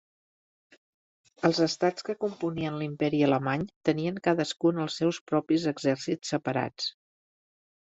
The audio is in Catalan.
Els Estats que componien l'Imperi alemany tenien cadascun els seus propis exèrcits separats.